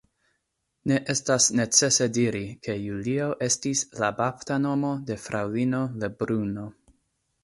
Ne estas necese diri, ke Julio estis la baptanomo de Fraŭlino Lebruno.